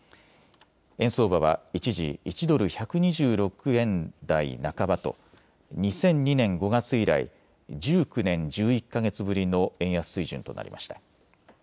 円相場は一時１ドル１２６円台半ばと２００２年５月以来、１９年１１か月ぶりの円安水準となりました。